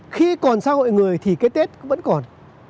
khi còn xã hội người thì cái tết vẫn còn